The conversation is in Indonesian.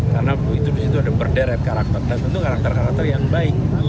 karena itu ada berderet karakter dan tentu karakter karakter yang baik